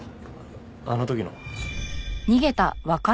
あの時の。